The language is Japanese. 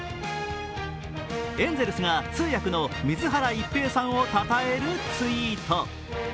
エンゼルスが通訳の水原一平さんをたたえるツイート。